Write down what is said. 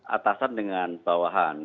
atasan dengan bawahan